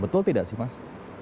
betul tidak sih mas